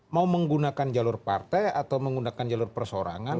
mau menggunakan jalur partai atau menggunakan jalur persorangan